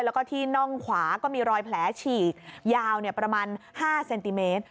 แล้วก็ที่น่องขวาก็มีรอยแผลฉีกยาวประมาณ๕เซนติเมตร